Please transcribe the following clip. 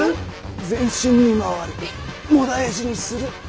全身に回りもだえ死にする。